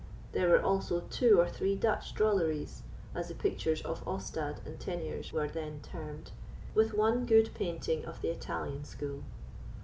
There were also two or three Dutch drolleries, as the pictures of Ostade and Teniers were then termed, with one good painting of the Italian school.